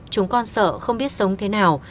chúng con sợ không biết sống thế nào